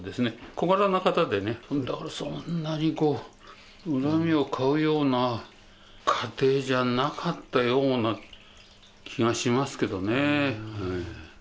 小柄な方でね、だからそんなに恨みを買うような家庭じゃなかったような気がしますけどね。